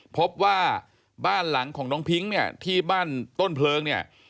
พบว่าบ้านหลังของน้องพิงที่บ้านต้นเพลิง